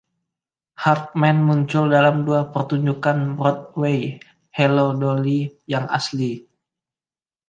Hartman muncul dalam dua pertunjukan Broadway: Hello, Dolly! Yang asli.